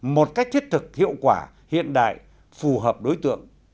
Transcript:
một cách thiết thực hiệu quả hiện đại phù hợp đối tượng